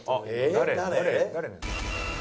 誰？